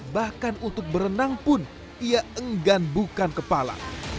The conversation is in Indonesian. bahkan untuk berenang pun ia enggan bukan kepala